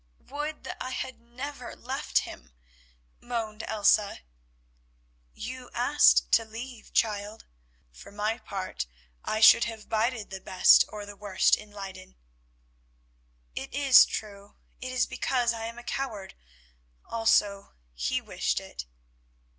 "Would that I had never left him," moaned Elsa. "You asked to leave, child; for my part I should have bided the best or the worst in Leyden." "It is true, it is because I am a coward; also he wished it."